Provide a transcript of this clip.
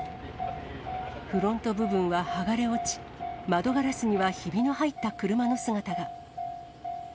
フロント部分は剥がれ落ち、窓ガラスにはひびの入った車の姿が。